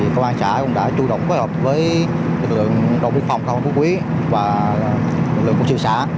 công an xã cũng đã tru động phối hợp với lực lượng đồng biên phòng phú quý và lực lượng quân sự xã